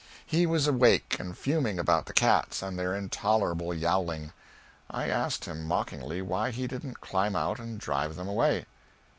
He was awake and fuming about the cats and their intolerable yowling. I asked him, mockingly, why he didn't climb out and drive them away.